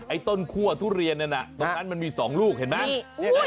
ไอ้ต้นครัวทุเรียนตรงนั้นมันมี๒ลูกเห็นไหม